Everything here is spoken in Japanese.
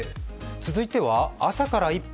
続いては「朝から１分！